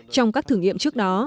trong các thử nghiệm trước đó